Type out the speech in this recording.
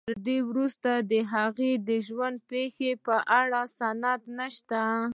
تر دې وروسته د هغې د ژوند پېښو په اړه سند نشته.